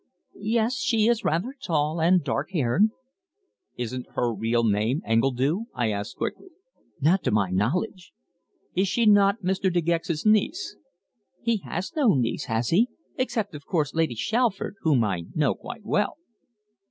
"Yes, she is rather tall, and dark haired." "Isn't her real name Engledue?" I asked quickly. "Not to my knowledge." "Is she not Mr. De Gex's niece?" "He has no niece, has he? except, of course, Lady Shalford, whom I know quite well."